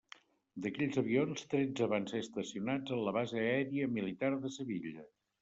D'aquells avions, tretze van ser estacionats en la base aèria militar de Sevilla.